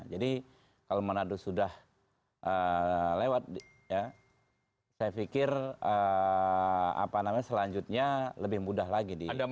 jadi kalau manado sudah lewat ya saya pikir apa namanya selanjutnya lebih mudah lagi di kota kota lain